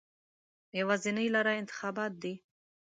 یوازینۍ لاره انتخابات دي.